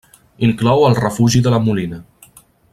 Inclou el Refugi de la Molina.